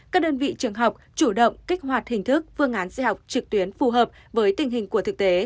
các đơn vị trường học chủ động kích hoạt hình thức phương án dạy học trực tuyến phù hợp với tình hình của thực tế